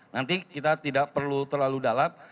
nanti kita tidak perlu terlalu dalam